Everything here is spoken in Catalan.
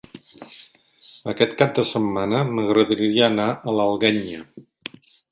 Aquest cap de setmana m'agradaria anar a l'Alguenya.